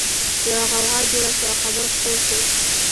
يوه غوغا جوړه شوه او خبر خپور شو